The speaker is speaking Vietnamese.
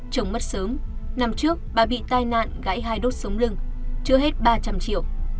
chồng mất sớm năm trước bà bị tai nạn gãy hai đốt sóng lưng chữa hết ba trăm linh triệu